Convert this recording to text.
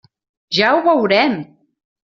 Ja ho veurem!